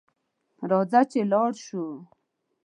راځه چې لاړشوو